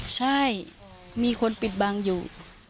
ใช่มีคนปิดบังอยู่